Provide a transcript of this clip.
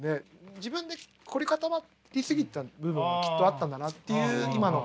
自分で凝り固まり過ぎた部分もきっとあったんだなっていう今の話。